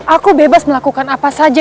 aku bebas melakukan apa saja